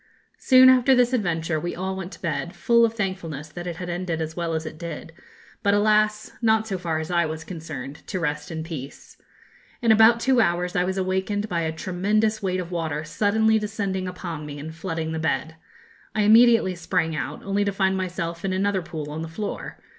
Soon after this adventure we all went to bed, full of thankfulness that it had ended as well as it did; but, alas, not, so far as I was concerned, to rest in peace. In about two hours I was awakened by a tremendous weight of water suddenly descending upon me and flooding the bed. I immediately sprang out, only to find myself in another pool on the floor.